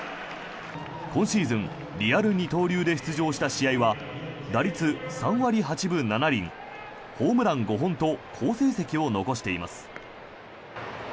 今シーズン、リアル二刀流で出場した試合は打率３割８分７厘ホームラン５本と好成績を残しています。